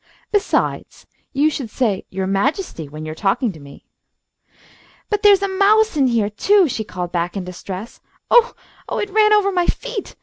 "Besides, you should say 'your Majesty' when you are talking to me." "But there's a mouse in heah, too," she called back, in distress. "Oo! Oo! It ran ovah my feet.